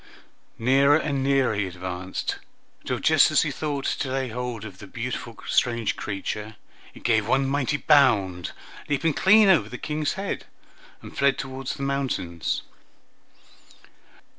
Nearer and nearer he advanced, till just as he thought to lay hold of the beautiful strange creature, it gave one mighty bound, leaped clean over the King's head, and fled toward the mountains.